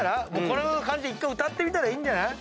この感じで１回歌ってみたらいいんじゃない？